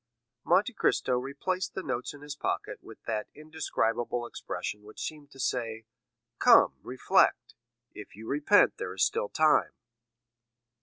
Monte Cristo replaced the notes in his pocket with that indescribable expression which seemed to say, "Come, reflect; if you repent there is still time."